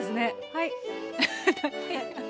はい。